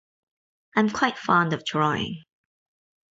I'm quite fond of drawing.